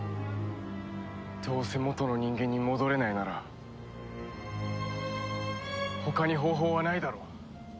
どうせ元の人間に戻れないなら他に方法はないだろ。